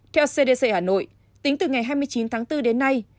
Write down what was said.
theo cdc hà nội tính từ ngày hai mươi chín tháng bốn đến nay